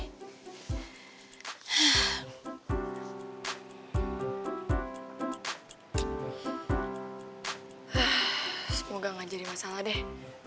hah semoga gak jadi masalah deh